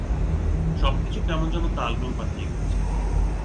সবকিছু কেমন যেন তালগোল পাকিয়ে গেছে।